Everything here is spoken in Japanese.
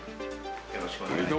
よろしくお願いします。